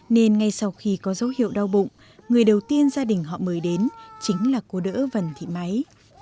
nên ngay sau khi có dấu hiệu đau bụng người đầu tiên gia đình họ mời đến chính là cô đỡ vần thị máy